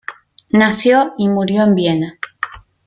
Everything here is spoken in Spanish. Nació y murió en Viena.